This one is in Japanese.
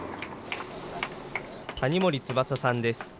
谷森翼さんです。